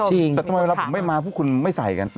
จริงแต่ทำไมว่าผมไม่มาแล้วคุณไม่ใส่กัน